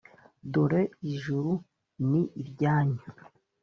dore ijuru ni iryanyu